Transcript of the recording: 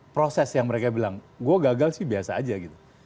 proses yang mereka bilang gue gagal sih biasa aja gitu